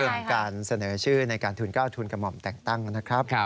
เรื่องการเสนอชื่อในการทุนก้าวทุนกับหม่อมแต่งตั้งนะครับ